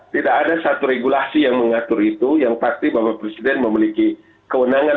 tidak ada satu regulasi yang mengatur itu yang pasti bapak presiden memiliki kewenangan